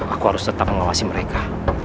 aku harus tetap mengawasi mereka